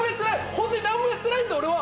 本当に何もやってないんだ俺は。